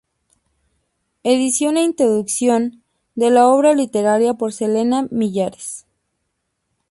Edición e introducción de la obra literaria por Selena Millares.